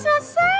jee bob susan